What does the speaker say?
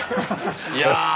いや。